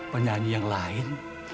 penyanyi yang lain